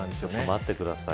待ってください。